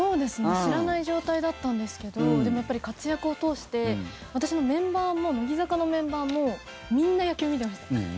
知らない状態だったんですけどでもやっぱり活躍を通して私の乃木坂のメンバーもみんな野球見てました。